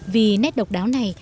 vì nét độc đáo này